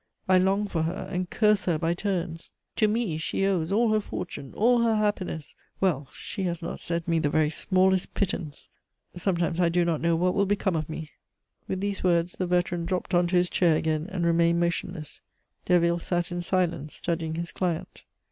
I long for her and curse her by turns. To me she owes all her fortune, all her happiness; well, she has not sent me the very smallest pittance. Sometimes I do not know what will become of me!" With these words the veteran dropped on to his chair again and remained motionless. Derville sat in silence, studying his client.